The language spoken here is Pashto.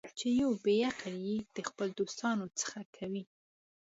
چې یو بې عقل یې د خپلو دوستانو څخه کوي.